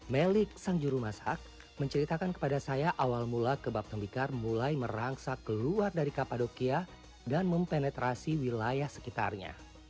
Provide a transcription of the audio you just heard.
melik sang jurumasak menceritakan kepada saya awal mula kebab tembikar mulai merangsak keluar dari kapadokia dan mempenetrasi wilayah sekitarnya